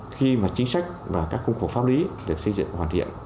khi mà chính sách và các khung khổ pháp lý được xây dựng hoàn thiện